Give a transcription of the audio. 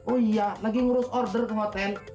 oh iya lagi ngurus order ke hotel